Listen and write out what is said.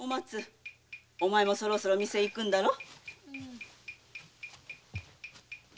お前もそろそろ店へ行くんだろ。